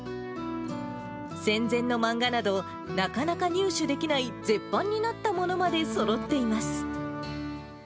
戦前の漫画など、なかなか入手できない絶版になったものまでそろっています。